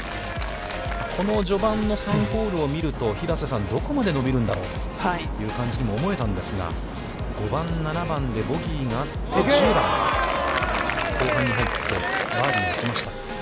この序盤の３ホールを見ると、平瀬さん、どこまで伸びるんだろうという感じにも思えたんですが、５番、７番でボギーがあって、１０番、後半に入ってバーディーが来ました。